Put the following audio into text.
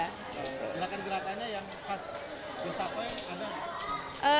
gerakan gerakannya yang pas yosakoi ada apa